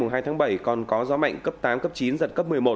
ngày hai tháng bảy còn có gió mạnh cấp tám cấp chín giật cấp một mươi một